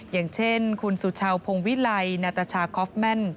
อย่างเช่นคุณสุชาวพงวิลัยนาตาชาคอฟแม่น